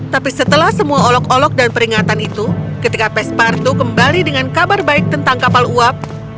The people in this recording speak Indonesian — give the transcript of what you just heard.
tapi setelah semua olok olok dan peringatan itu ketika pespartu kembali dengan kabar baik tentang kapal uap